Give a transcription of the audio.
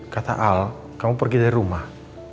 kata al kamu pergi dari rumah